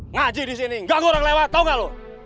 ngaji disini gak ada orang lewat tau gak lo